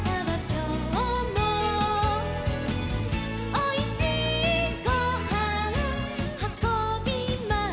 「おいしいごはんはこびました」